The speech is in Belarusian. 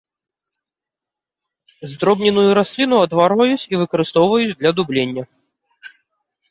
Здробненую расліну адварваюць і выкарыстоўваюць для дублення.